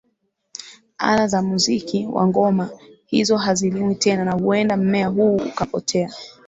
Ala za muziki wa ngoma hizo hazilimwi tena na huenda mmea huu ukapotea